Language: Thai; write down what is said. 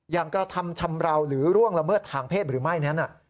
กระทำชำราวหรือร่วงละเมิดทางเพศหรือไม่นั้น